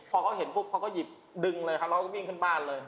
พอเขาเห็นปุ๊บเขาก็หยิบดึงเลยครับเราก็วิ่งขึ้นบ้านเลย